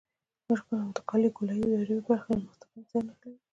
انتقالي ګولایي دایروي برخه له مستقیمې سره نښلوي